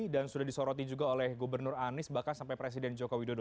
dan sudah disoroti juga oleh gubernur anies bahkan sampai presiden joko widodo